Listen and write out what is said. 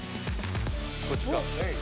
こっちか。